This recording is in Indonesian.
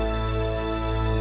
aku mau ke sana